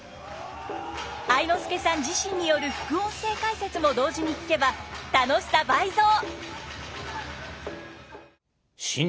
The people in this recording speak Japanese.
愛之助さん自身による副音声解説も同時に聞けば楽しさ倍増！